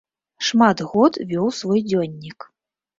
Шмат год вёў свой дзённік.